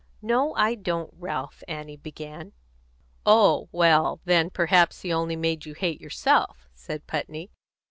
"No, I don't, Ralph," Annie began. "Oh, well, then, perhaps he only made you hate yourself," said Putney.